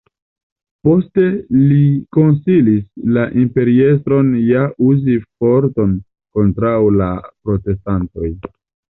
Poste li konsilis la imperiestron ja uzi forton kontraŭ la protestantoj.